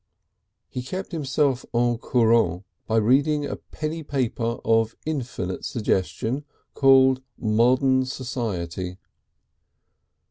He kept himself au courant by reading a penny paper of infinite suggestion called Modern Society.